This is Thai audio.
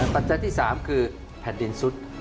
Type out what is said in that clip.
ปัจจัยที่๓คือแผ่นดินซุด